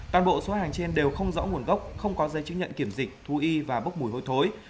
toàn bộ số hàng trên đều không rõ nguồn gốc không có dây chứng nhận kiểm dịch thú y và bốc mùi hôi thối